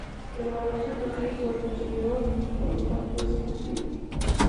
El valor se percibe por el consumidor y por lo tanto es subjetivo.